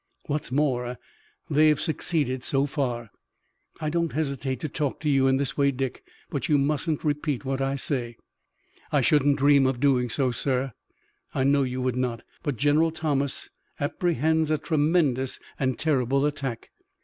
What's more, they've succeeded so far. I don't hesitate to talk to you in this way, Dick, but you mustn't repeat what I say." "I shouldn't dream of doing so, sir." "I know you would not, but General Thomas apprehends a tremendous and terrible attack.